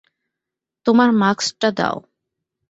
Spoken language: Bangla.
তোমার মাস্কটা দাও।